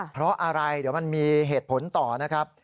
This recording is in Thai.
เพราะอะไรเดี๋ยวมันมีเหตุผลต่อนะครับ